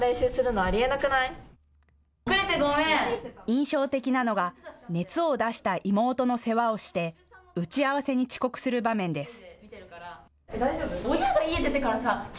印象的なのが熱を出した妹の世話をして打ち合わせに遅刻する場面です。